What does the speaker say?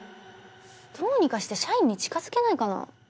どうにかして社員に近づけないかな？